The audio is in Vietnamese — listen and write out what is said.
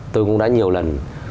tôi cũng đã nhiều lần